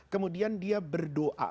kemudian dia berdoa